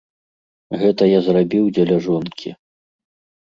Гэта я зрабіў дзеля жонкі.